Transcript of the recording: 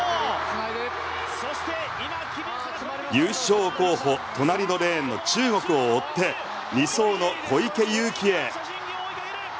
優勝候補隣のレーンの中国を追って２走の小池祐貴へ。